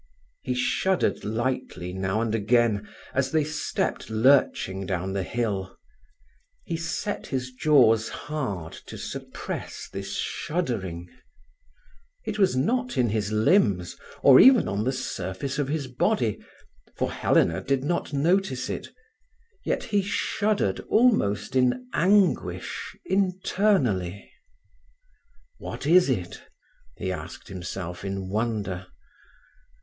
He shuddered lightly now and again, as they stepped lurching down the hill. He set his jaws hard to suppress this shuddering. It was not in his limbs, or even on the surface of his body, for Helena did not notice it. Yet he shuddered almost in anguish internally. "What is it?" he asked himself in wonder.